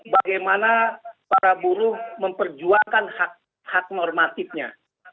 bagaimana para buruh memperjuangkan hak normatifnya